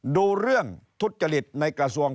ดูเรื่องทุจริตในกระทรวง